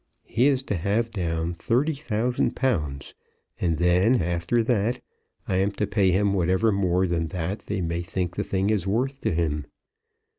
He is to have down thirty thousand pounds, and then, after that, I am to pay him whatever more than that they may think the thing is worth to him.